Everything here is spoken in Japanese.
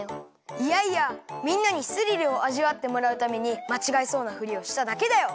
いやいやみんなにスリルをあじわってもらうためにまちがえそうなふりをしただけだよ！